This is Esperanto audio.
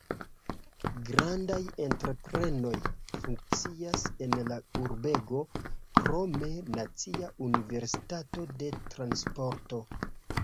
Grandaj entreprenoj funkcias en la urbego, krome Nacia Universitato de Transporto.